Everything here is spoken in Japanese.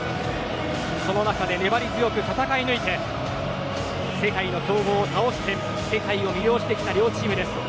その中で粘り強く戦い抜いて世界の強豪を倒して世界を魅了してきた両チームです。